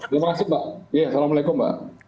terima kasih mbak ya assalamualaikum mbak